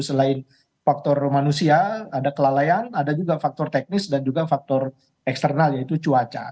selain faktor manusia ada kelalaian ada juga faktor teknis dan juga faktor eksternal yaitu cuaca